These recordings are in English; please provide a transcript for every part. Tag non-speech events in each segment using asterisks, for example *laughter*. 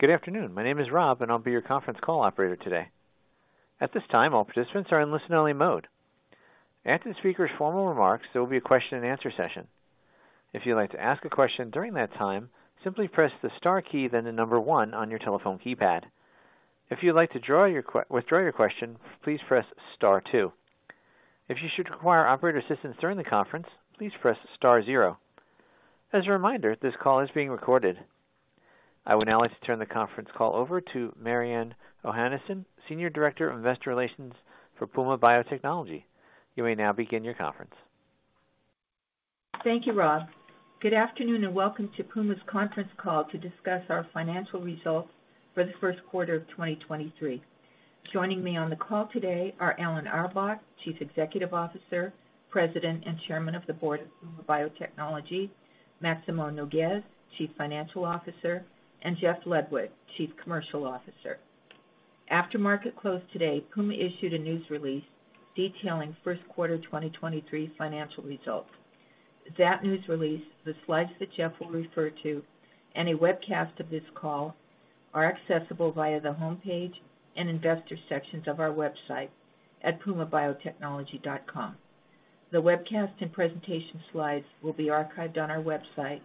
Good afternoon. My name is Rob, and I'll be your conference call operator today. At this time, all participants are in listen only mode. After the speaker's formal remarks, there will be a question and answer session. If you'd like to ask a question during that time, simply press the star key, then the number one on your telephone keypad. If you'd like to withdraw your question, please press star two. If you should require operator assistance during the conference, please press star zero. As a reminder, this call is being recorded. I would now like to turn the conference call over to Mariann Ohanesian, Senior Director of Investor Relations for Puma Biotechnology. You may now begin your conference. Thank you, Rob. Good afternoon, and welcome to Puma's conference call to discuss our financial results for the 1st quarter of 2023. Joining me on the call today are Alan H. Auerbach, Chief Executive Officer, President, and Chairman of the Board of Puma Biotechnology, Maximo Nougues, Chief Financial Officer, and Jeff Ludwig, Chief Commercial Officer. After market close today, Puma issued a news release detailing 1st quarter 2023 financial results. That news release, the slides that Jeff will refer to, and a webcast of this call are accessible via the homepage and investor sections of our website at pumabiotechnology.com. The webcast and presentation slides will be archived on our website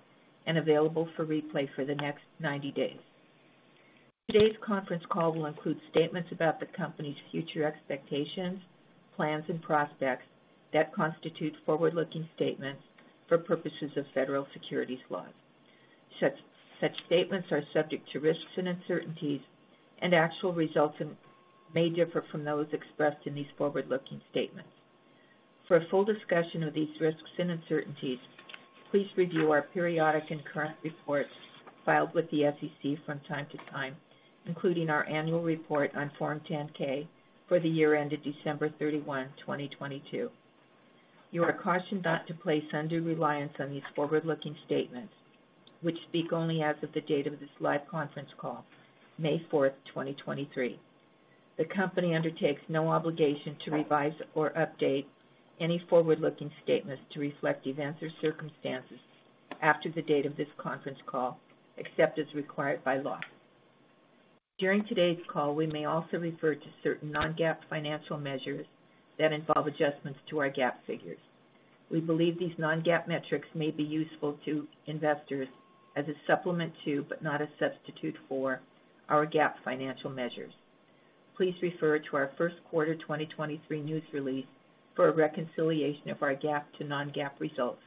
and available for replay for the next 90 days. Today's conference call will include statements about the company's future expectations, plans, and prospects that constitute forward-looking statements for purposes of federal securities laws. Such statements are subject to risks and uncertainties, and actual results may differ from those expressed in these forward-looking statements. For a full discussion of these risks and uncertainties, please review our periodic and current reports filed with the SEC from time to time, including our annual report on Form 10-K for the year ended December 31, 2022. You are cautioned not to place undue reliance on these forward-looking statements, which speak only as of the date of this live conference call, May 4th, 2023. The company undertakes no obligation to revise or update any forward-looking statements to reflect events or circumstances after the date of this conference call, except as required by law. During today's call, we may also refer to certain non-GAAP financial measures that involve adjustments to our GAAP figures. We believe these non-GAAP metrics may be useful to investors as a supplement to, but not a substitute for, our GAAP financial measures. Please refer to our 1st quarter 2023 news release for a reconciliation of our GAAP to non-GAAP results.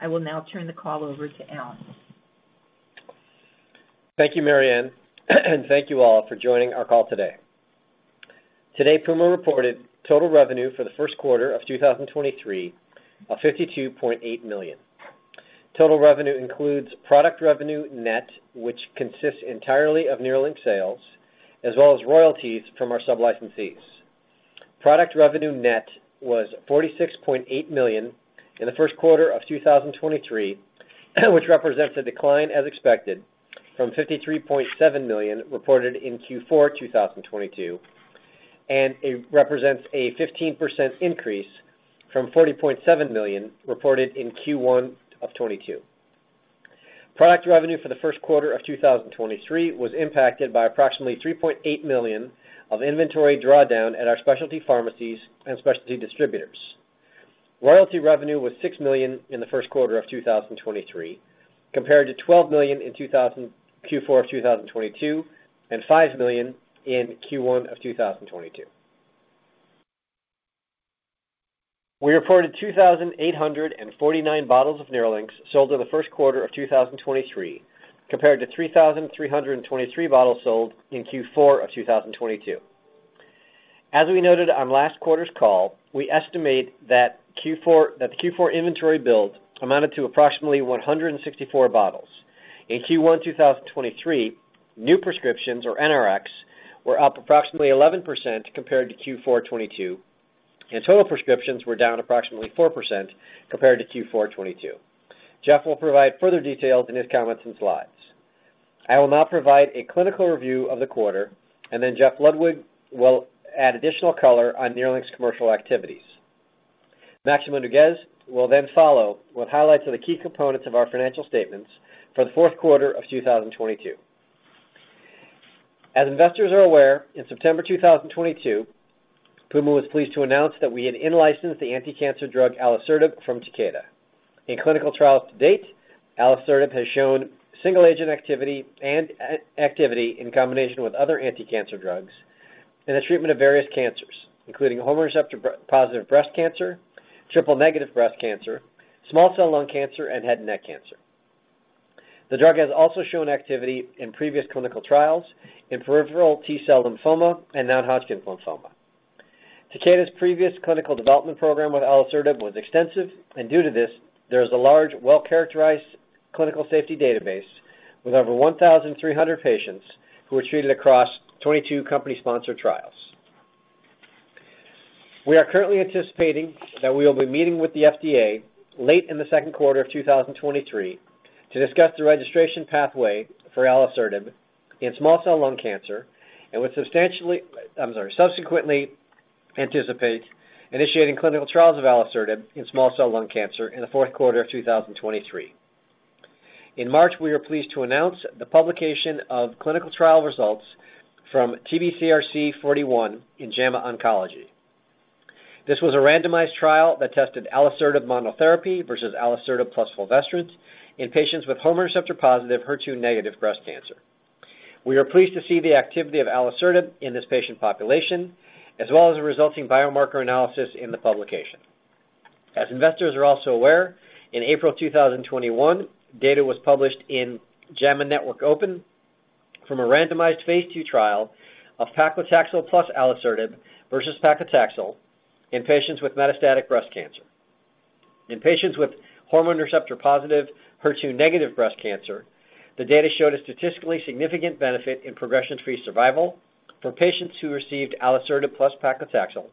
I will now turn the call over to Alan. Thank you, Maryanne. Thank you all for joining our call today. Today, Puma reported total revenue for the 1st quarter of 2023 of $52.8 million. Total revenue includes product revenue net, which consists entirely of NERLYNX sales, as well as royalties from our sub-licensees. Product revenue net was $46.8 million in the 1st quarter of 2023, which represents a decline as expected from $53.7 million reported in Q4 2022. It represents a 15% increase from $47. million reported in Q1 of 2022. Product revenue for the 1st quarter of 2023 was impacted by approximately $3.8 million of inventory drawdown at our specialty pharmacies and specialty distributors. Royalty revenue was $6 million in the 1st quarter of 2023, compared to $12 million in Q4 2022 and $5 million in Q1 2022. We reported 2,849 bottles of NERLYNX sold in the 1st quarter of 2023, compared to 3,323 bottles sold in Q4 2022. As we noted on last quarter's call, we estimate that the Q4 inventory build amounted to approximately 164 bottles. In Q1 2023, new prescriptions, or NRX, were up approximately 11% compared to Q4 2022, and total prescriptions were down approximately 4% compared to Q4 2022. Jeff will provide further details in his comments and slides. I will now provide a clinical review of the quarter. Jeff Ludwig will add additional color on NERLYNX's commercial activities. Maximo Nougues will follow with highlights of the key components of our financial statements for the 4th quarter of 2022. As investors are aware, in September 2022, Puma was pleased to announce that we had in-licensed the anticancer drug alisertib from Takeda. In clinical trials to date, alisertib has shown single agent activity and activity in combination with other anticancer drugs in the treatment of various cancers, including hormone receptor-positive breast cancer, triple-negative breast cancer, small cell lung cancer, and head and neck cancer. The drug has also shown activity in previous clinical trials in peripheral T-cell lymphoma and non-Hodgkin's lymphoma. Takeda's previous clinical development program with alisertib was extensive, and due to this, there is a large, well-characterized clinical safety database with over 1,300 patients who were treated across 22 company-sponsored trials. We are currently anticipating that we will be meeting with the FDA late in the 2nd quarter of 2023 to discuss the registration pathway for alisertib in small cell lung cancer and would subsequently anticipate initiating clinical trials of alisertib in small cell lung cancer in the 4th quarter of 2023. In March, we were pleased to announce the publication of clinical trial results from TBCRC 041 in JAMA Oncology. This was a randomized trial that tested alisertib monotherapy versus alisertib plus fulvestrant in patients with hormone receptor-positive, HER2-negative breast cancer. We are pleased to see the activity of alisertib in this patient population, as well as the resulting biomarker analysis in the publication. Investors are also aware, in April 2021, data was published in JAMA Network Open from a randomized phase II trial of paclitaxel plus alisertib versus paclitaxel in patients with metastatic breast cancer. In patients with hormone receptor-positive, HER2-negative breast cancer, the data showed a statistically significant benefit in progression-free survival for patients who received alisertib plus paclitaxel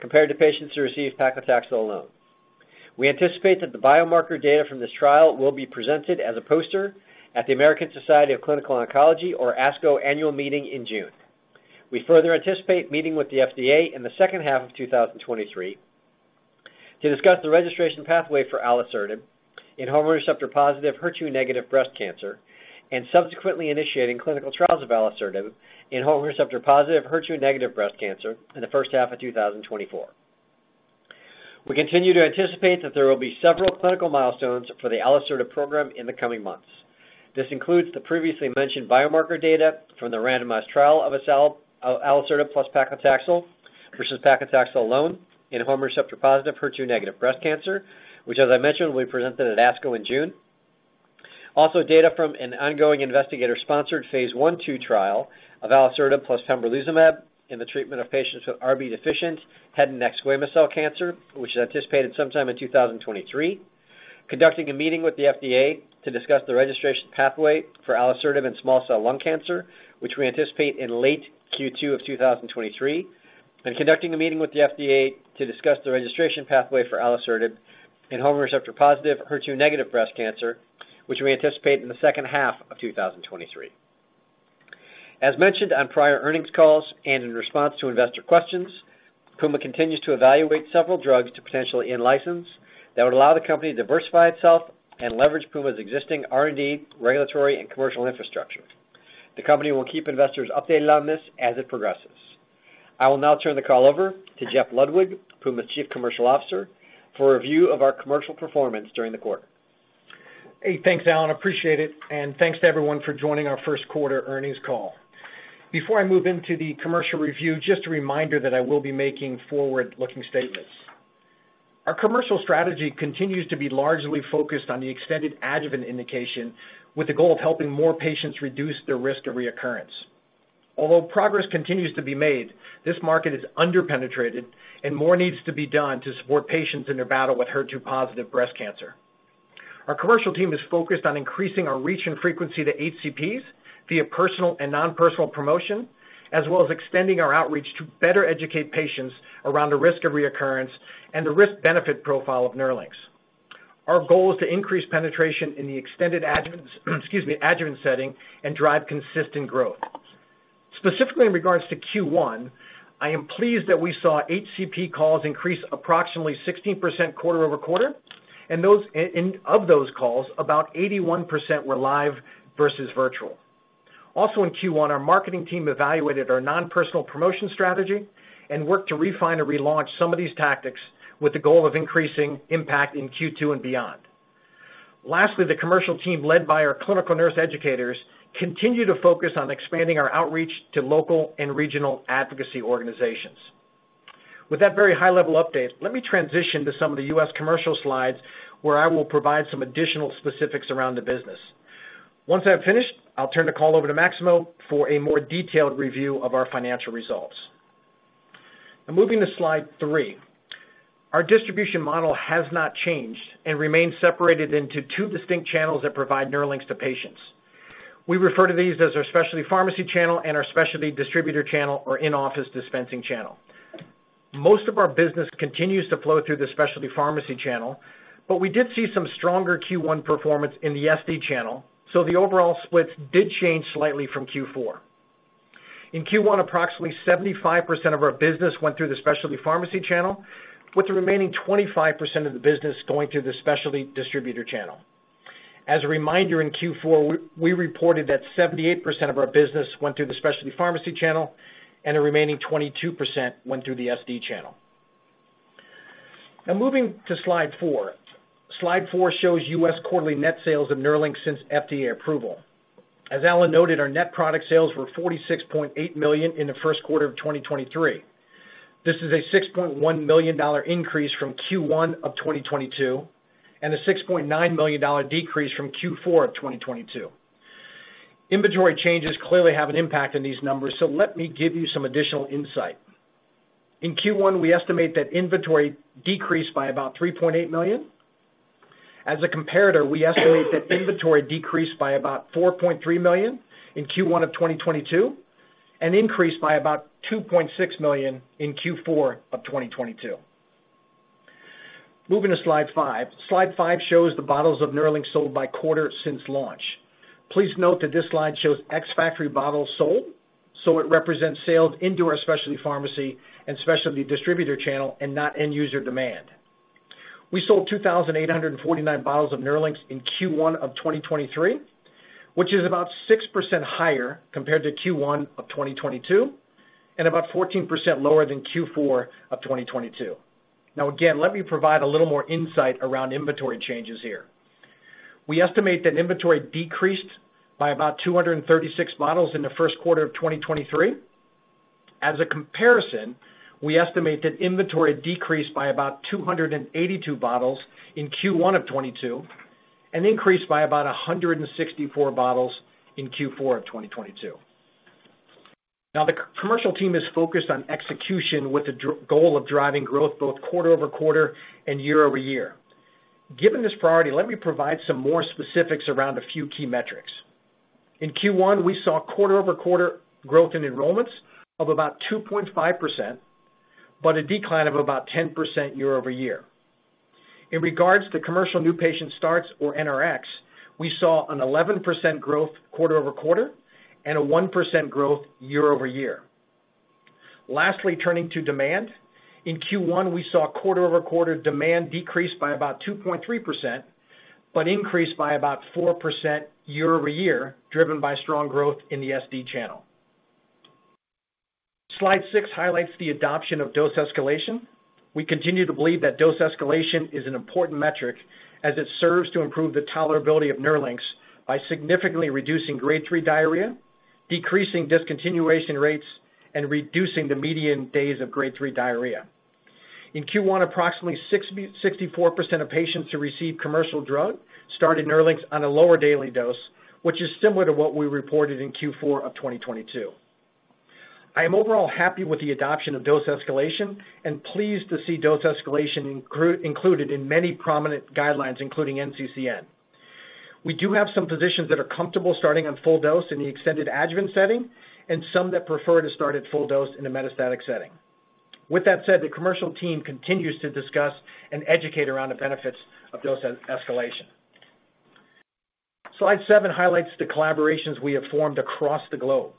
compared to patients who received paclitaxel alone. We anticipate that the biomarker data from this trial will be presented as a poster at the American Society of Clinical Oncology, or ASCO annual meeting in June. We further anticipate meeting with the FDA in the 2nd half of 2023 to discuss the registration pathway for alisertib in hormone receptor-positive, HER2-negative breast cancer and subsequently initiating clinical trials of alisertib in hormone receptor-positive, HER2-negative breast cancer in the 1st half of 2024. We continue to anticipate that there will be several clinical milestones for the alisertib program in the coming months. This includes the previously mentioned biomarker data from the randomized trial of alisertib plus paclitaxel versus paclitaxel alone in hormone receptor-positive, HER2-negative breast cancer, which as I mentioned, will be presented at ASCO in June. Data from an ongoing phase I/II trial of alisertib plus pembrolizumab in the treatment of patients with RB deficient head and neck squamous cell cancer, which is anticipated sometime in 2023. Conducting a meeting with the FDA to discuss the registration pathway for alisertib in small cell lung cancer, which we anticipate in late Q2 of 2023. Conducting a meeting with the FDA to discuss the registration pathway for alisertib in hormone receptor-positive, HER2-negative breast cancer, which we anticipate in the 2nd half of 2023. As mentioned on prior earnings calls and in response to investor questions, Puma continues to evaluate several drugs to potentially in-license that would allow the company to diversify itself and leverage Puma's existing R&D, regulatory, and commercial infrastructure. The company will keep investors updated on this as it progresses. I will now turn the call over to Jeff Ludwig, Puma's Chief Commercial Officer, for a review of our commercial performance during the quarter. Hey, thanks, Alan. Appreciate it. Thanks to everyone for joining our 1st quarter earnings call. Before I move into the commercial review, just a reminder that I will be making forward-looking statements. Our commercial strategy continues to be largely focused on the extended adjuvant indication, with the goal of helping more patients reduce their risk of recurrence. Although progress continues to be made, this market is under-penetrated and more needs to be done to support patients in their battle with HER2-positive breast cancer. Our commercial team is focused on increasing our reach and frequency to HCPs via personal and non-personal promotion, as well as extending our outreach to better educate patients around the risk of recurrence and the risk-benefit profile of NERLYNX. Our goal is to increase penetration in the extended adjuvant, excuse me, adjuvant setting and drive consistent growth. Specifically in regards to Q1, I am pleased that we saw HCP calls increase approximately 16% quarter-over-quarter, of those calls, about 81% were live versus virtual. Also in Q1, our marketing team evaluated our non-personal promotion strategy and worked to refine and relaunch some of these tactics with the goal of increasing impact in Q2 and beyond. Lastly, the commercial team, led by our clinical nurse educators, continue to focus on expanding our outreach to local and regional advocacy organizations. With that very high-level update, let me transition to some of the U.S. commercial slides where I will provide some additional specifics around the business. Once I've finished, I'll turn the call over to Maximo for a more detailed review of our financial results. Moving to slide 3. Our distribution model has not changed and remains separated into two distinct channels that provide NERLYNX to patients. We refer to these as our specialty pharmacy channel and our specialty distributor channel or in-office dispensing channel. Most of our business continues to flow through the specialty pharmacy channel, but we did see some stronger Q1 performance in the SD channel, so the overall splits did change slightly from Q4. In Q1, approximately 75% of our business went through the specialty pharmacy channel, with the remaining 25% of the business going through the specialty distributor channel. As a reminder, in Q4, we reported that 78% of our business went through the specialty pharmacy channel and the remaining 22% went through the SD channel. Now moving to slide 4. Slide 4 shows U.S. quarterly net sales of NERLYNX since FDA approval. As Alan noted, our net product sales were $46.8 million in the 1st quarter of 2023. This is a $6.1 million increase from Q1 of 2022 and a $6.9 million decrease from Q4 of 2022. Inventory changes clearly have an impact on these numbers, let me give you some additional insight. In Q1, we estimate that inventory decreased by about $3.8 million. As a comparator, we estimate that inventory decreased by about $4.3 million in Q1 of 2022 and increased by about $2.6 million in Q4 of 2022. Moving to Slide 5. Slide 5 shows the bottles of NERLYNX sold by quarter since launch. Please note that this slide shows ex-factory bottles sold, so it represents sales into our specialty pharmacy and specialty distributor channel and not end user demand. We sold 2,849 bottles of NERLYNX in Q1 of 2023, which is about 6% higher compared to Q1 of 2022, and about 14% lower than Q4 of 2022. Again, let me provide a little more insight around inventory changes here. We estimate that inventory decreased by about 236 bottles in the 1st quarter of 2023. As a comparison, we estimate that inventory decreased by about 282 bottles in Q1 of 2022, and increased by about 164 bottles in Q4 of 2022. The commercial team is focused on execution with the goal of driving growth both quarter-over-quarter and year-over-year. Given this priority, let me provide some more specifics around a few key metrics. In Q1, we saw quarter-over-quarter growth in enrollments of about 2.5%, but a decline of about 10% year-over-year. In regards to commercial new patient starts or NRX, we saw an 11% growth quarter-over-quarter and a 1% growth year-over-year. Lastly, turning to demand. In Q1, we saw quarter-over-quarter demand decrease by about 2.3%, but increase by about 4% year-over-year, driven by strong growth in the SD channel. Slide 6 highlights the adoption of dose escalation. We continue to believe that dose escalation is an important metric as it serves to improve the tolerability of NERLYNX by significantly reducing grade three diarrhea, decreasing discontinuation rates, and reducing the median days of grade three diarrhea. In Q1, approximately 64% of patients who received commercial drug started NERLYNX on a lower daily dose, which is similar to what we reported in Q4 of 2022. I am overall happy with the adoption of dose escalation and pleased to see dose escalation included in many prominent guidelines, including NCCN. We do have some physicians that are comfortable starting on full dose in the extended adjuvant setting and some that prefer to start at full dose in a metastatic setting. With that said, the commercial team continues to discuss and educate around the benefits of dose escalation. Slide 7 highlights the collaborations we have formed across the globe.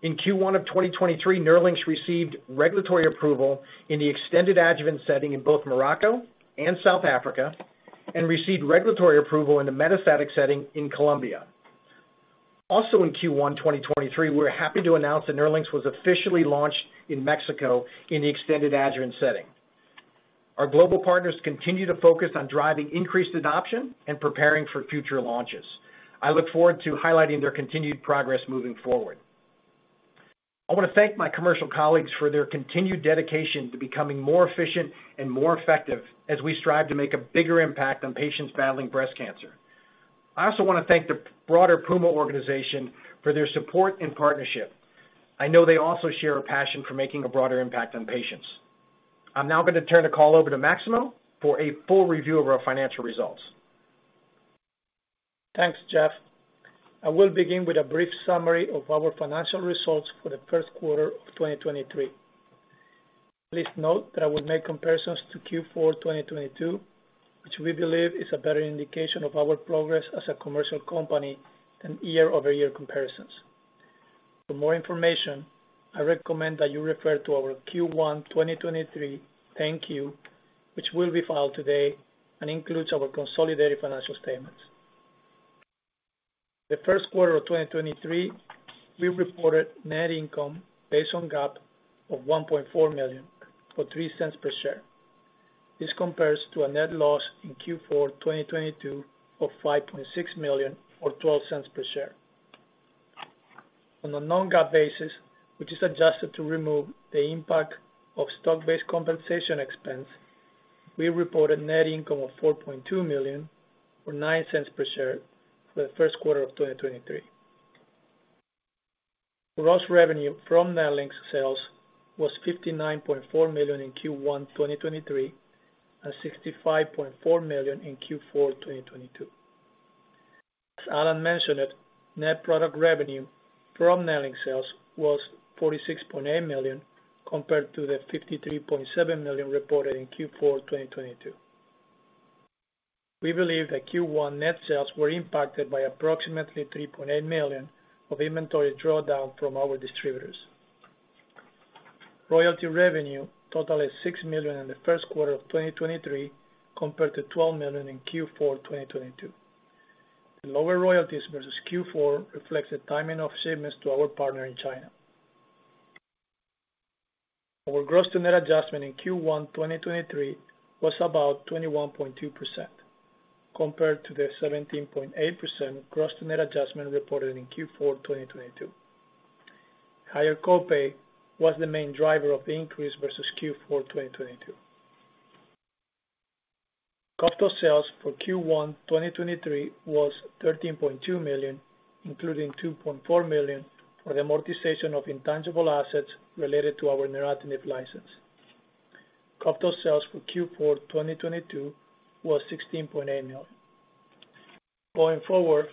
In Q1 of 2023, NERLYNX received regulatory approval in the extended adjuvant setting in both Morocco and South Africa, and received regulatory approval in the metastatic setting in Colombia. Also in Q1 2023, we're happy to announce that NERLYNX was officially launched in Mexico in the extended adjuvant setting. Our global partners continue to focus on driving increased adoption and preparing for future launches. I look forward to highlighting their continued progress moving forward. I wanna thank my commercial colleagues for their continued dedication to becoming more efficient and more effective as we strive to make a bigger impact on patients battling breast cancer. I also wanna thank the broader Puma organization for their support and partnership. I know they also share a passion for making a broader impact on patients. I'm now gonna turn the call over to Maximo for a full review of our financial results. Thanks, Jeff. I will begin with a brief summary of our financial results for the 1st quarter of 2023. Please note that I will make comparisons to Q4 2022, which we believe is a better indication of our progress as a commercial company than year-over-year comparisons. For more information, I recommend that you refer to our Q1 2023 10-Q, which will be filed today and includes our consolidated financial statements. The 1st quarter of 2023, we reported net income based on GAAP of $1.4 million, or $0.03 per share. This compares to a net loss in Q4 2022 of $5.6 million or $0.12 per share. On a non-GAAP basis, which is adjusted to remove the impact of stock-based compensation expense, we reported net income of $4.2 million or $0.09 per share for the 1st quarter of 2023. Gross revenue from NERLYNX sales was $59.4 million in Q1 2023 and $65.4 million in Q4 2022. As Alan mentioned, net product revenue from NERLYNX sales was $46.8 million, compared to the $53.7 million reported in Q4 2022. We believe that Q1 net sales were impacted by approximately $3.8 million of inventory drawdown from our distributors. Royalty revenue totaled $6 million in the 1st quarter of 2023, compared to $12 million in Q4 2022. The lower royalties versus Q4 reflects the timing of shipments to our partner in China. Our gross to net adjustment in Q1 2023 was about 21.2% compared to the 17.8% gross to net adjustment reported in Q4 2022. Higher co-pay was the main driver of the increase versus Q4 2022. Cost of sales for Q1 2023 was $13.2 million, including $2.4 million for the amortization of intangible assets related to our neratinib license. Cost of sales for Q4 2022 was $16.8 million. Going forward,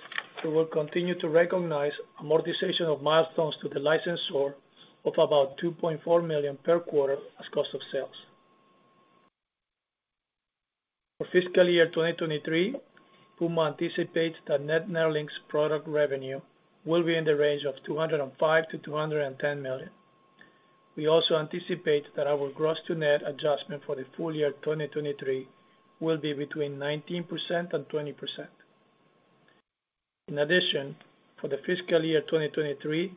we will continue to recognize amortization of milestones to the licensor of about $2.4 million per quarter as cost of sales. For fiscal year 2023, Puma anticipates that net NERLYNX product revenue will be in the range of $205 million-$210 million. We also anticipate that our gross to net adjustment for the full year 2023 will be between 19% and 20%. For the fiscal year 2023,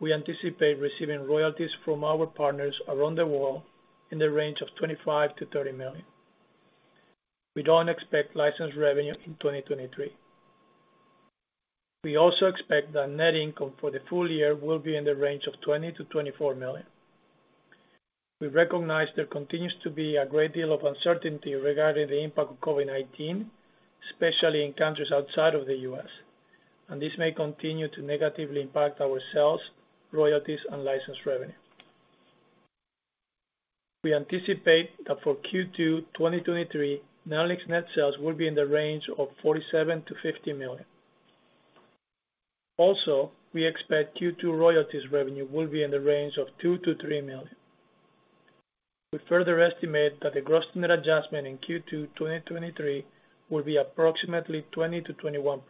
we anticipate receiving royalties from our partners around the world in the range of $25 million-$30 million. We don't expect license revenue in 2023. We expect that net income for the full year will be in the range of $20 million-$24 million. We recognize there continues to be a great deal of uncertainty regarding the impact of COVID-19, especially in countries outside of the U.S., this may continue to negatively impact our sales, royalties, and license revenue. We anticipate that for Q2 2023, NERLYNX net sales will be in the range of $47 million-$50 million. We expect Q2 royalties revenue will be in the range of $2 million-$3 million. We further estimate that the gross net adjustment in Q2 2023 will be approximately 20%-21%.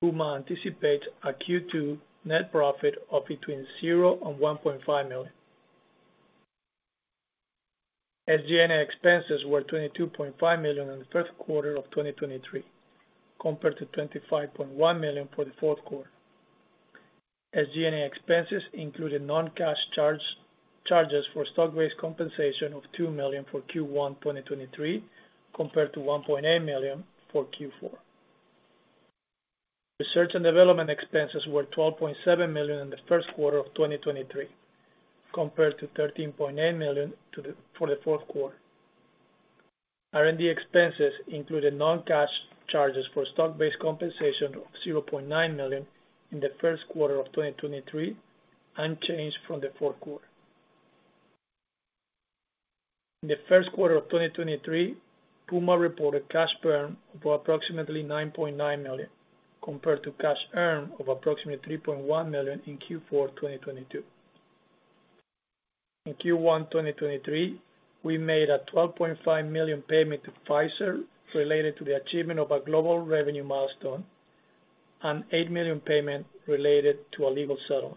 Puma anticipates a Q2 net profit of between $0 and $1.5 million. SG&A expenses were $22.5 million in the 1st quarter of 2023, compared to $25.1 million for the 4th quarter. SG&A expenses included non-cash charges for stock-based compensation of $2 million for Q1 2023, compared to $1.8 million for Q4. Research and development expenses were $12.7 million in the 1st quarter of 2023, compared to $13.8 million for the 4th quarter. R&D expenses included non-cash charges for stock-based compensation of $0.9 million in the 1st quarter of 2023, unchanged from the 4th quarter. In the 1st quarter of 2023, Puma reported cash burn of approximately $9.9 million, compared to cash earned of approximately $0.1 million in Q4 2022. In Q1 2023, we made a $12.5 million payment to Pfizer related to the achievement of a global revenue milestone and $8 million payment related to a legal settlement.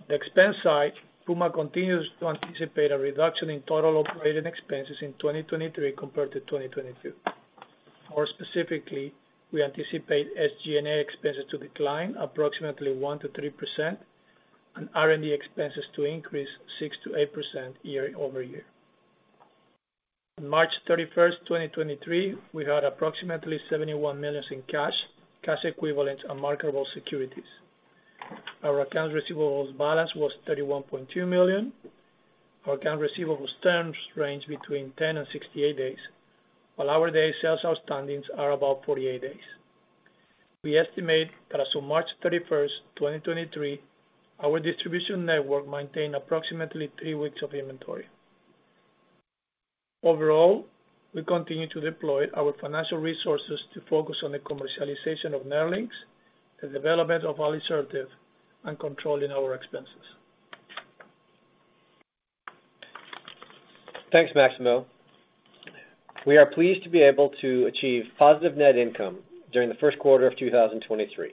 On the expense side, Puma continues to anticipate a reduction in total operating expenses in 2023 compared to 2022. More specifically, we anticipate SG&A expenses to decline approximately 1%-3% and R&D expenses to increase 6%-8% year-over-year. On March 31st, 2023, we had approximately $71 million in cash equivalents, and marketable securities. Our accounts receivables balance was $31.2 million. Our account receivables terms range between 10 and 68 days, while our day sales outstandings are about 48 days. We estimate that as of March 31st, 2023, our distribution network maintained approximately 3 weeks of inventory. Overall, we continue to deploy our financial resources to focus on the commercialization of NERLYNX, the development of alisertib, and controlling our expenses. Thanks, Maximo. We are pleased to be able to achieve positive net income during the 1st quarter of 2023.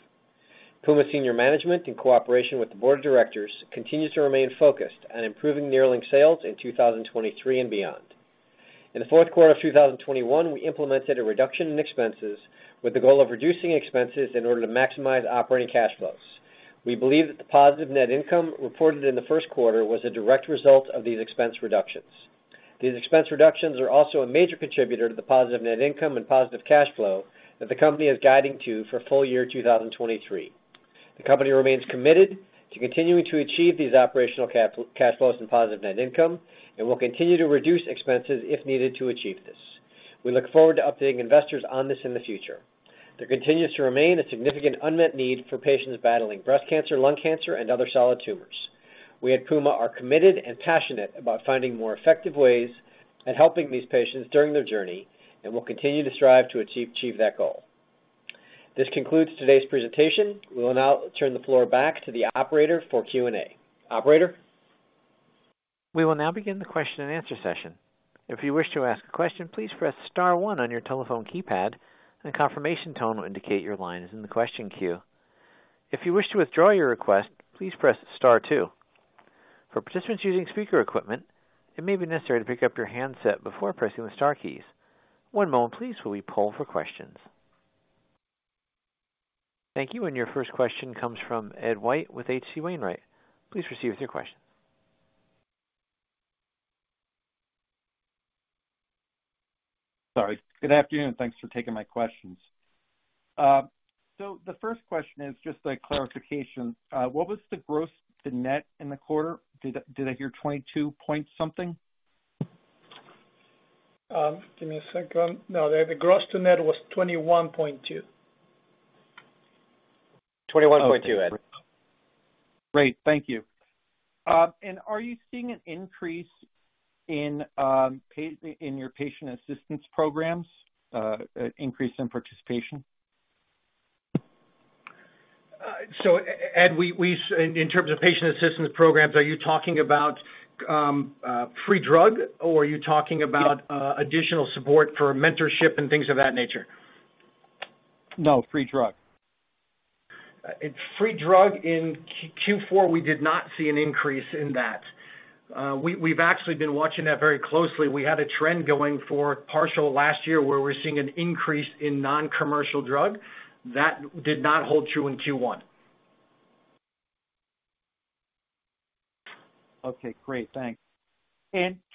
Puma senior management, in cooperation with the board of directors, continues to remain focused on improving NERLYNX sales in 2023 and beyond. In the 4th quarter of 2021, we implemented a reduction in expenses with the goal of reducing expenses in order to maximize operating cash flows. We believe that the positive net income reported in the 1st quarter was a direct result of these expense reductions. These expense reductions are also a major contributor to the positive net income and positive cash flow that the company is guiding to for full year 2023. The company remains committed to continuing to achieve these operational cash flows and positive net income and will continue to reduce expenses if needed to achieve this. We look forward to updating investors on this in the future. There continues to remain a significant unmet need for patients battling breast cancer, lung cancer, and other solid tumors. We at Puma are committed and passionate about finding more effective ways at helping these patients during their journey, and we'll continue to strive to achieve that goal. This concludes today's presentation. We will now turn the floor back to the operator for Q&A. Operator? We will now begin the question-and-answer session. If you wish to ask a question, please press star one on your telephone keypad, and a confirmation tone will indicate your line is in the question queue. If you wish to withdraw your request, please press star two. For participants using speaker equipment, it may be necessary to pick up your handset before pressing the star keys. One moment please, while we poll for questions. Thank you. Your 1st question comes from Ed White with H.C. Wainwright & Co. Please proceed with your question. Sorry. Good afternoon, and thanks for taking my questions. The 1st question is just a clarification. What was the gross to net in the quarter? Did I hear 22 point something? give me a 2nd. No, the gross to net was 21.2%. *crosstalk* Great. Thank you. Are you seeing an increase in your patient assistance programs, increase in participation? Ed, we in terms of patient assistance programs, are you talking about free drug or are you talking about additional support for mentorship and things of that nature? No, free drug. Free drug in Q4, we did not see an increase in that. We've actually been watching that very closely. We had a trend going for partial last year where we're seeing an increase in non-commercial drug. That did not hold true in Q1. Okay, great. Thanks.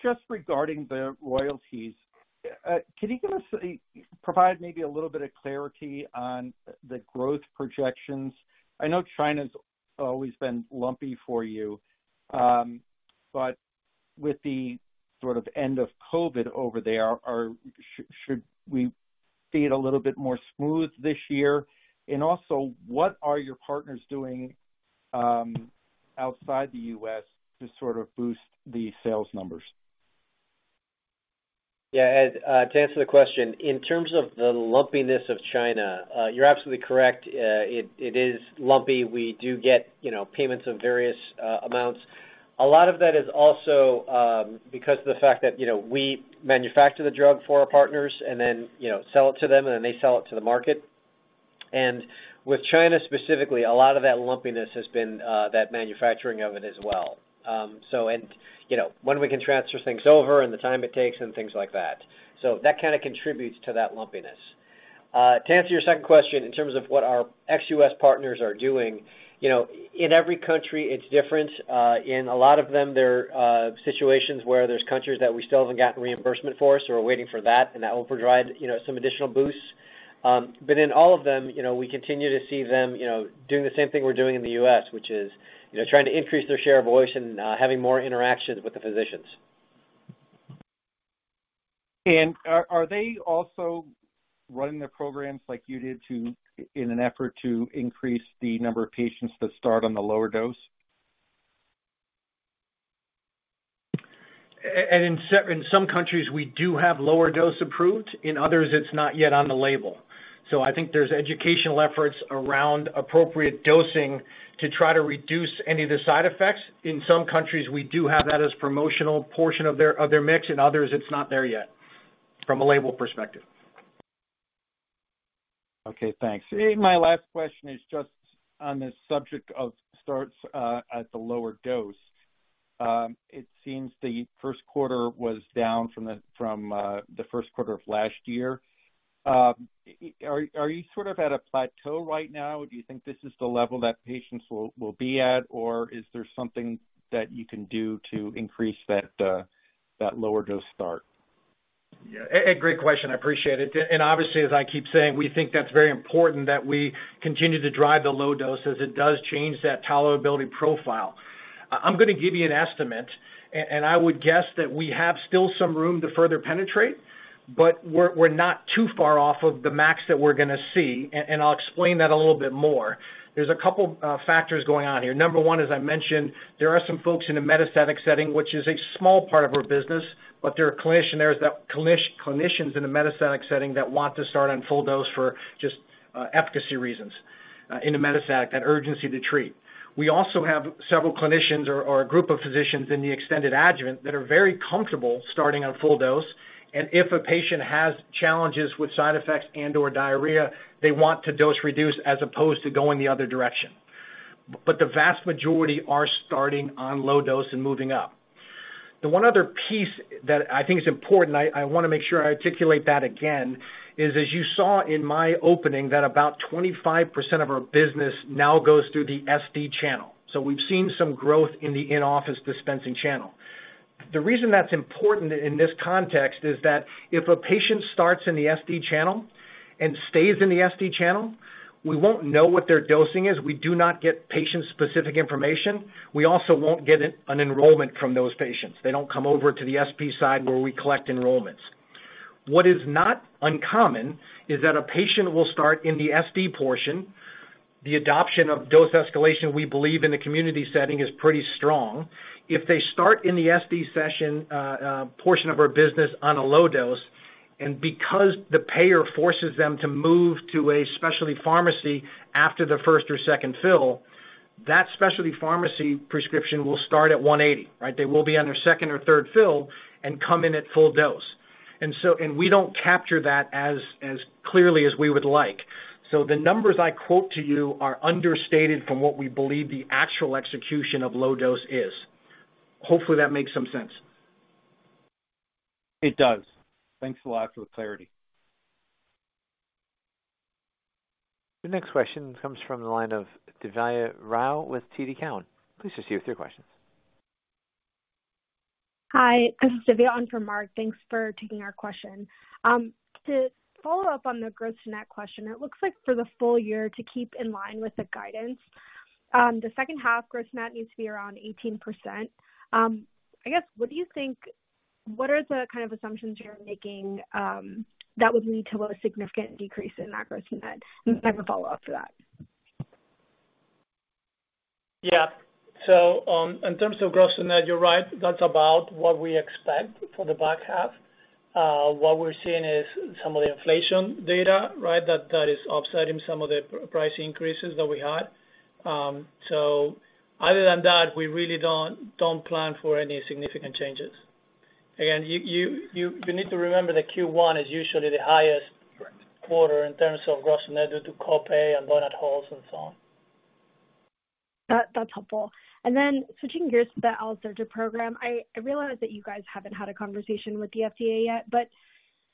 Just regarding the royalties, can you give us, provide maybe a little bit of clarity on the growth projections? I know China's always been lumpy for you, but with the sort of end of COVID over there, should we see it a little bit more smooth this year? What are your partners doing outside the U.S. to sort of boost the sales numbers? Yeah. Ed, to answer the question, in terms of the lumpiness of China, you're absolutely correct. it is lumpy. We do get, you know, payments of various amounts. A lot of that is also because of the fact that, you know, we manufacture the drug for our partners and then, you know, sell it to them, and then they sell it to the market. With China specifically, a lot of that lumpiness has been that manufacturing of it as well. you know, when we can transfer things over and the time it takes and things like that. That kind of contributes to that lumpiness. To answer your 2nd question, in terms of what our ex-U.S. partners are doing, you know, in every country it's different. In a lot of them, there are situations where there's countries that we still haven't gotten reimbursement for, so we're waiting for that, and that will provide, you know, some additional boosts. In all of them, you know, we continue to see them, you know, doing the same thing we're doing in the U.S., which is, you know, trying to increase their share of voice and having more interactions with the physicians. Are they also running their programs like you did in an effort to increase the number of patients that start on the lower dose? In some countries, we do have lower dose approved. In others, it's not yet on the label. I think there's educational efforts around appropriate dosing to try to reduce any of the side effects. In some countries, we do have that as promotional portion of their mix. In others, it's not there yet from a label perspective. Okay, thanks. My last question is just on the subject of starts at the lower dose. It seems the 1st quarter was down from the 1st quarter of last year. Are you sort of at a plateau right now? Do you think this is the level that patients will be at, or is there something that you can do to increase that lower dose start? Yeah. A great question. I appreciate it. Obviously, as I keep saying, we think that's very important that we continue to drive the low dose as it does change that tolerability profile. I'm gonna give you an estimate, and I would guess that we have still some room to further penetrate, but we're not too far off of the max that we're gonna see, and I'll explain that a little bit more. There's a couple factors going on here. Number one, as I mentioned, there are some folks in a metastatic setting, which is a small part of our business, but there are clinicians, there's that clinicians in the metastatic setting that want to start on full dose for just efficacy reasons in the metastatic, that urgency to treat. We also have several clinicians or a group of physicians in the extended adjuvant that are very comfortable starting on full dose. If a patient has challenges with side effects and/or diarrhea, they want to dose reduce as opposed to going the other direction. The vast majority are starting on low dose and moving up. The one other piece that I think is important, I wanna make sure I articulate that again, is, as you saw in my opening, that about 25% of our business now goes through the SD channel. We've seen some growth in the in-office dispensing channel. The reason that's important in this context is that if a patient starts in the SD channel and stays in the SD channel, we won't know what their dosing is. We do not get patient-specific information. We also won't get an enrollment from those patients. They don't come over to the SP side where we collect enrollments. What is not uncommon is that a patient will start in the SD portion. The adoption of dose escalation, we believe, in the community setting is pretty strong. If they start in the SD session, portion of our business on a low dose, and because the payer forces them to move to a specialty pharmacy after the 1st or 2nd fill, that specialty pharmacy prescription will start at $180, right? They will be on their 2nd or 3rd fill and come in at full dose. We don't capture that as clearly as we would like. The numbers I quote to you are understated from what we believe the actual execution of low dose is. Hopefully, that makes some sense. It does. Thanks a lot for the clarity. The next question comes from the line of Divya Rao with TD Cowen. Please proceed with your questions. Hi, this is Divya. On for Mark. Thanks for taking our question. To follow up on the gross net question, it looks like for the full year to keep in line with the guidance, the 2nd half gross net needs to be around 18%. What are the kind of assumptions you're making, that would lead to a significant decrease in that gross net? I have a follow-up to that. Yeah. In terms of gross net, you're right. That's about what we expect for the back half. What we're seeing is some of the inflation data, right? That is offsetting some of the price increases that we had. Other than that, we really don't plan for any significant changes. Again, you need to remember that Q1 is usually the highest quarter in terms of gross net due to co-pay and donut holes and so on. That's helpful. Switching gears to the alisertib program. I realize that you guys haven't had a conversation with the FDA yet, but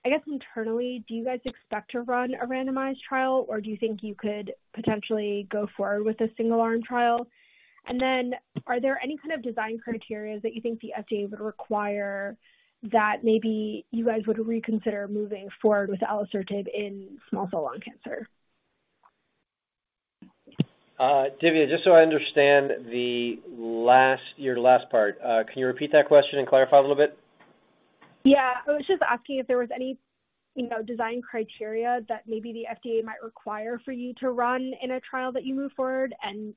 I guess internally, do you guys expect to run a randomized trial, or do you think you could potentially go forward with a single-arm trial? Are there any kind of design criterias that you think the FDA would require that maybe you guys would reconsider moving forward with alisertib in small cell lung cancer? Divya, just so I understand Your last part, can you repeat that question and clarify a little bit? I was just asking if there was any, you know, design criteria that maybe the FDA might require for you to run in a trial that you move forward and,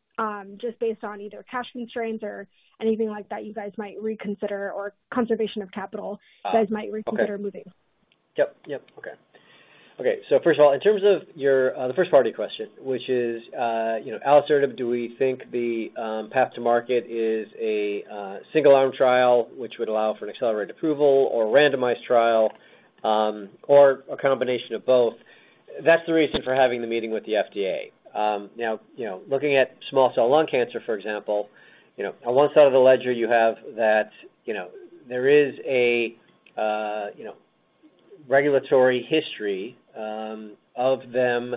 just based on either cash constraints or anything like that you guys might reconsider or conservation of capital? Okay. you guys might reconsider moving. Yep. Yep. Okay. Okay. First of all, in terms of your, the 1st part of your question, which is, you know, alisertib, do we think the path to market is a single-arm trial, which would allow for an accelerated approval or a randomized trial, or a combination of both? That's the reason for having the meeting with the FDA. Now, you know, looking at small cell lung cancer, for example, you know, on one side of the ledger you have that, you know, there is a regulatory history of them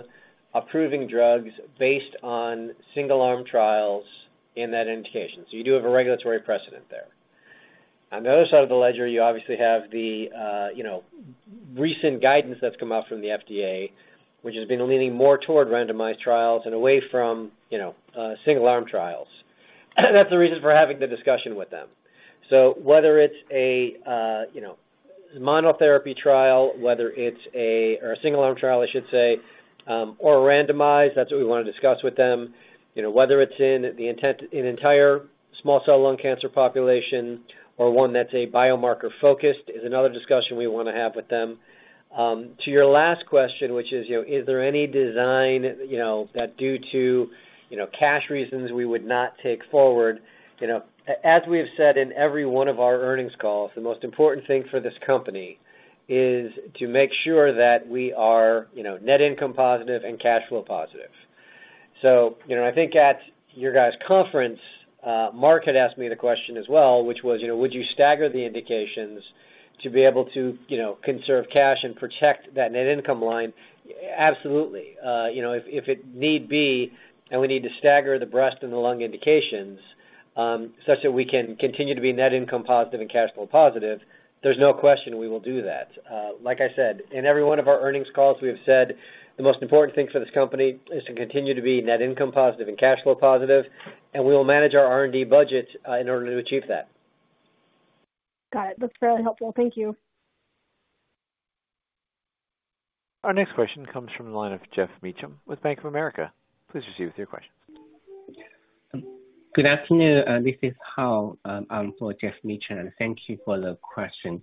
approving drugs based on single-arm trials in that indication. You do have a regulatory precedent there. On the other side of the ledger, you obviously have the recent guidance that's come out from the FDA, which has been leaning more toward randomized trials and away from single-arm trials. That's the reason for having the discussion with them. Whether it's a monotherapy trial, or a single-arm trial, I should say, or randomized, that's what we wanna discuss with them. Whether it's in an entire small cell lung cancer population or one that's a biomarker-focused is another discussion we wanna have with them. To your last question, which is there any design that due to cash reasons we would not take forward? You know, as we have said in every one of our earnings calls, the most important thing for this company is to make sure that we are, you know, net income positive and cash flow positive. You know, I think at your guys' conference, Mark had asked me the question as well, which was, you know: Would you stagger the indications to be able to, you know, conserve cash and protect that net income line? Absolutely. You know, if it need be, and we need to stagger the breast and the lung indications, such that we can continue to be net income positive and cash flow positive, there's no question we will do that. Like I said, in every one of our earnings calls, we have said the most important thing for this company is to continue to be net income positive and cash flow positive. We will manage our R&D budget in order to achieve that. Got it. That's very helpful. Thank you. Our next question comes from the line of Geoff Meacham with Bank of America. Please proceed with your question. Good afternoon. This is Hao for Geoff Meacham. Thank you for the question.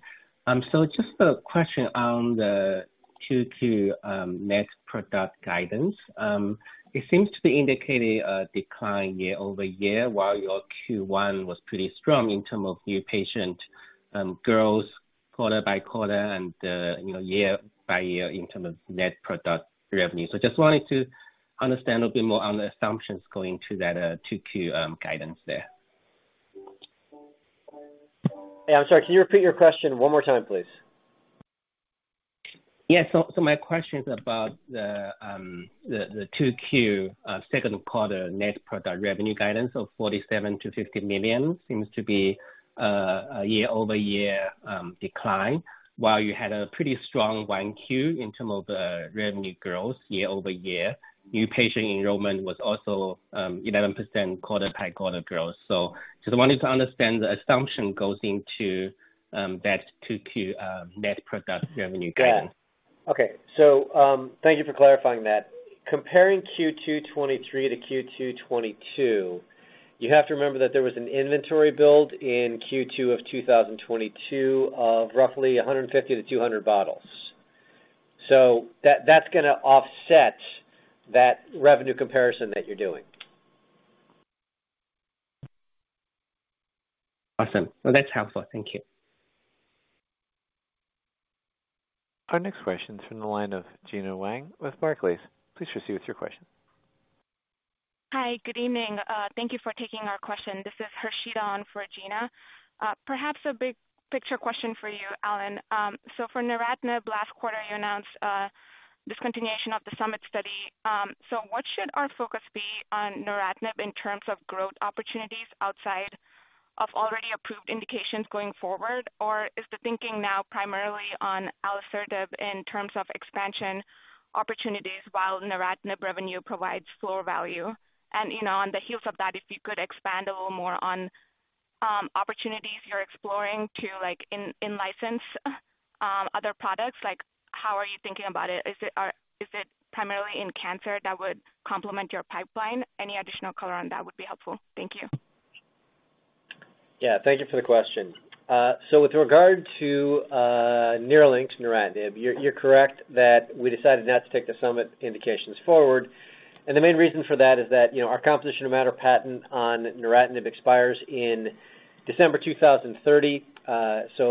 Just a question on the Q2 net product guidance. It seems to be indicating a decline year-over-year while your Q1 was pretty strong in term of new patient growth quarter-by-quarter and, you know, year-by-year in term of net product revenue. Just wanted to understand a bit more on the assumptions going to that Q2 guidance there. Hey, I'm sorry. Can you repeat your question one more time, please? My question is about the 2Q 2nd quarter net product revenue guidance of $47 million-$50 million seems to be a year-over-year decline, while you had a pretty strong 1Q in terms of revenue growth year-over-year. New patient enrollment was also 11% quarter-by-quarter growth. Just wanted to understand the assumption goes into that 2Q net product revenue guidance. Got it. Okay. Thank you for clarifying that. Comparing Q2 2023 to Q2 2022, you have to remember that there was an inventory build in Q2 2022 of roughly 150-200 bottles. That's gonna offset that revenue comparison that you're doing. Awesome. No, that's helpful. Thank you. Our next question is from the line of Gena Wang with Barclays. Please proceed with your question. Hi. Good evening. Thank you for taking our question. This is Harshita on for Gena. Perhaps a big picture question for you, Alan. For neratinib last quarter, you announced discontinuation of the SUMMIT study. What should our focus be on neratinib in terms of growth opportunities outside of already approved indications going forward or is the thinking now primarily on alisertib in terms of expansion opportunities while neratinib revenue provides floor value? You know, on the heels of that, if you could expand a little more on opportunities you're exploring to like in-license other products, like how are you thinking about it? Is it primarily in cancer that would complement your pipeline? Any additional color on that would be helpful. Thank you. Thank you for the question. With regard to NERLYNX neratinib, you're correct that we decided not to take the SUMMIT indications forward. The main reason for that is that, you know, our composition amount of patent on neratinib expires in December 2030.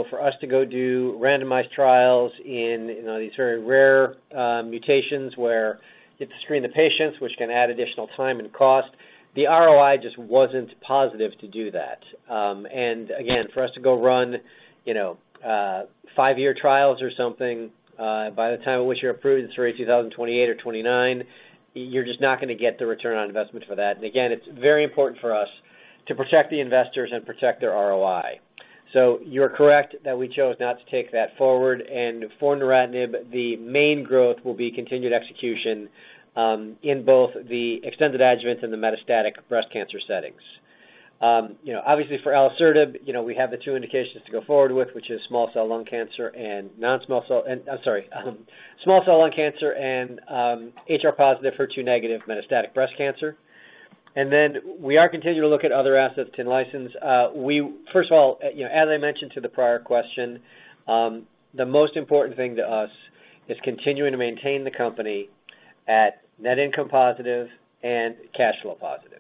For us to go do randomized trials in, you know, these very rare mutations where you have to screen the patients, which can add additional time and cost, the ROI just wasn't positive to do that. Again, for us to go run, you know, five-year trials or something, by the time of which you're approved in say 2028 or 2029, you're just not gonna get the return on investment for that. Again, it's very important for us to protect the investors and protect their ROI. You're correct that we chose not to take that forward. For neratinib, the main growth will be continued execution in both the extended adjuvant and the metastatic breast cancer settings. You know, obviously for alisertib, you know, we have the two indications to go forward with, which is small cell lung cancer and I'm sorry, small cell lung cancer and HR-positive, HER2-negative metastatic breast cancer. We are continuing to look at other assets to license. First of all, you know, as I mentioned to the prior question, the most important thing to us is continuing to maintain the company at net income positive and cash flow positive.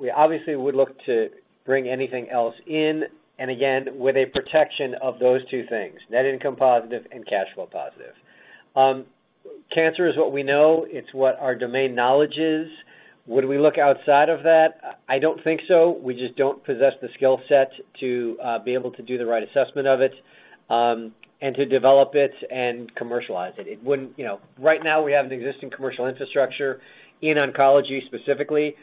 We obviously would look to bring anything else in and again, with a protection of those two things, net income positive and cash flow positive. Cancer is what we know. It's what our domain knowledge is. Would we look outside of that? I don't think so. We just don't possess the skill set to be able to do the right assessment of it, and to develop it and commercialize it. You know, right now we have an existing commercial infrastructure in oncology specifically.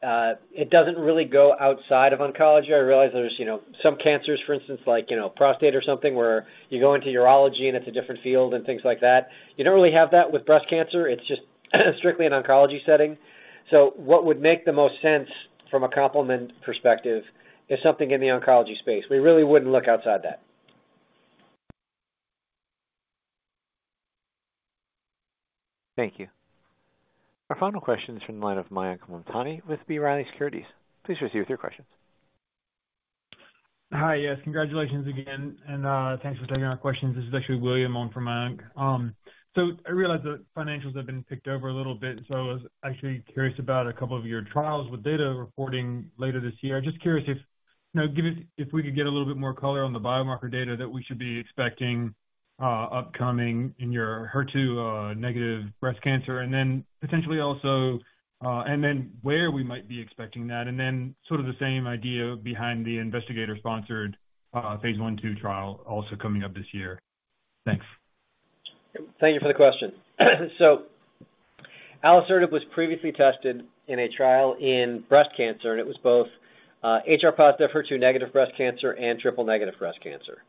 It doesn't really go outside of oncology. I realize there's, you know, some cancers, for instance, like, you know, prostate or something where you go into urology and it's a different field and things like that. You don't really have that with breast cancer. It's just strictly an oncology setting. What would make the most sense from a complement perspective is something in the oncology space. We really wouldn't look outside that. Thank you. Our final question is from the line of Mayank Mamtani with B. Riley Securities. Please proceed with your questions. Hi. Yes, congratulations again, thanks for taking our questions. This is actually William on for Mayank. I realize the financials have been picked over a little bit, so I was actually curious about a couple of your trials with data reporting later this year. Just curious if, you know, if we could get a little bit more color on the biomarker data that we should be expecting upcoming in your HER2-negative breast cancer and then potentially also, and then where we might be expecting that, and then sort of the same idea behind the phase I/II trial also coming up this year. Thanks. Thank you for the question. alisertib was previously tested in a trial in breast cancer, and it was both HR-positive, HER2-negative breast cancer and triple-negative breast cancer.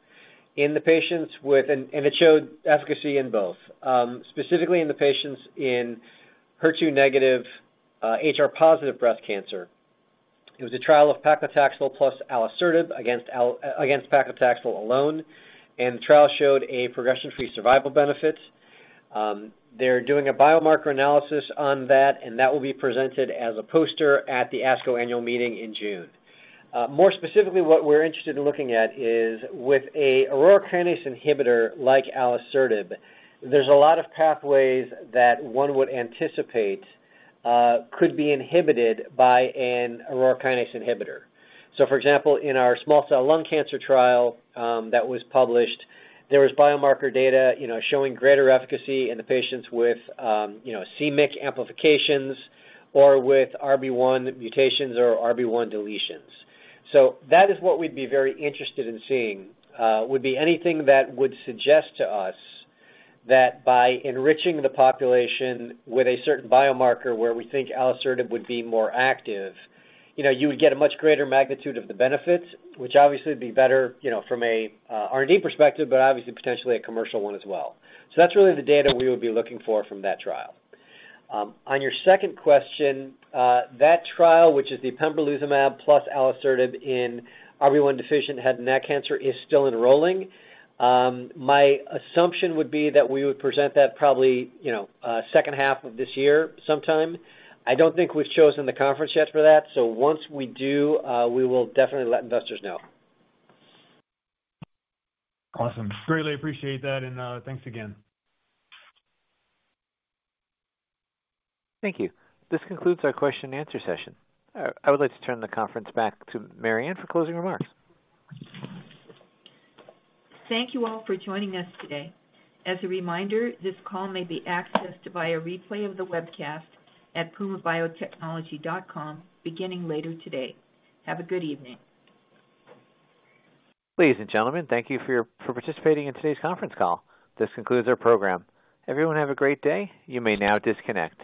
In the patients with... it showed efficacy in both, specifically in the patients in HER2-negative, HR-positive breast cancer. It was a trial of paclitaxel plus alisertib against paclitaxel alone, and the trial showed a progression-free survival benefit. They're doing a biomarker analysis on that, and that will be presented as a poster at the ASCO annual meeting in June. More specifically, what we're interested in looking at is with a Aurora kinase inhibitor like alisertib, there's a lot of pathways that one would anticipate could be inhibited by an Aurora kinase inhibitor. For example, in our small cell lung cancer trial, that was published, there was biomarker data, you know, showing greater efficacy in the patients with, you know, c-MYC amplifications or with RB1 mutations or RB1 deletions. That is what we'd be very interested in seeing, would be anything that would suggest to us that by enriching the population with a certain biomarker where we think alisertib would be more active, you know, you would get a much greater magnitude of the benefits, which obviously would be better, you know, from a R&D perspective, but obviously potentially a commercial one as well. That's really the data we would be looking for from that trial. On your 2nd question, that trial, which is the pembrolizumab plus alisertib in RB1-deficient head and neck cancer, is still enrolling. My assumption would be that we would present that probably, you know, 2nd half of this year sometime. I don't think we've chosen the conference yet for that. Once we do, we will definitely let investors know. Awesome. Greatly appreciate that and thanks again. Thank you. This concludes our question and answer session. I would like to turn the conference back to Mariann Ohanesian for closing remarks. Thank you all for joining us today. As a reminder, this call may be accessed via a replay of the webcast at pumabiotechnology.com beginning later today. Have a good evening. Ladies and gentlemen, thank you for participating in today's conference call. This concludes our program. Everyone have a great day. You may now disconnect.